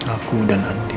aku dan andi